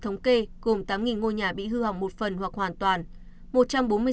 thống kê gồm tám ngôi nhà bị hư hỏng một phần hoặc hoàn toàn